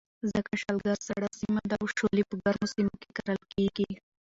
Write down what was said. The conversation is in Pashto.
ځکه شلګر سړه سیمه ده او شولې په ګرمو سیمو کې کرلې کېږي.